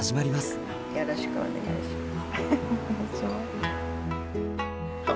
よろしくお願いします。